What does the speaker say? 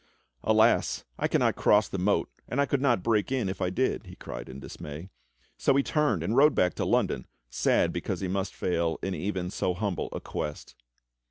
"Alas! I cannot cross the moat, and I could not break in if I did," he cried in dismay. So he turned and rode back to London sad because he must fail in even so humble a quest.